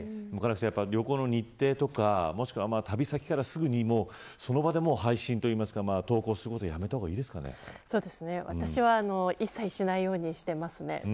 旅行の日程とかもしくは旅先からすぐにその場でもう配信というか投稿することは私は一切しないようにしてますね。